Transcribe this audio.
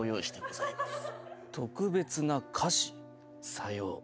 さよう。